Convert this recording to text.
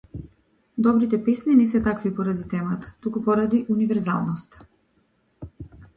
Добрите песни не се такви поради темата, туку поради универзалноста.